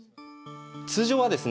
通常はですね